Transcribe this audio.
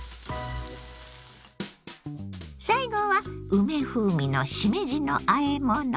最後は梅風味のしめじのあえもの。